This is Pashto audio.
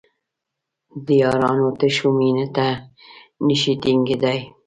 د یارانو تشو مینو ته نشي ټینګېدای.